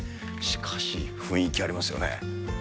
しかし雰囲気ありますよね。